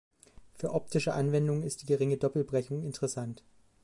Für optische Anwendungen ist die geringe Doppelbrechung interessant.